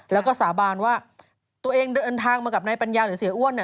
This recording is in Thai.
แล้วก็สาบานว่าตัวเองเดินทางมากับนายปัญญาหรือเสียอ้วน